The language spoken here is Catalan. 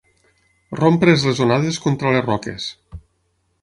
Rompre's les onades contra les roques.